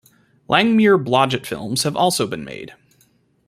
Langmuir-Blodgett films have also been made.